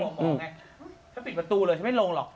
ฉันปิดประตูเลยฉันไม่ลงหรอก